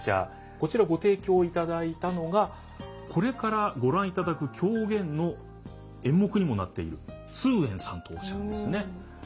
こちらご提供いただいたのがこれからご覧いただく狂言の演目にもなっている通圓さんとおっしゃるんですね。